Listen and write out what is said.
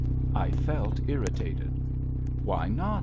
I felt irritated. "Why not?"